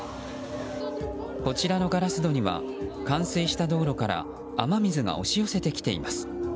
こちらのガラス戸には冠水した道路から雨水が押し寄せてきています。